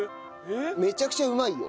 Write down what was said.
めちゃくちゃうまいよ。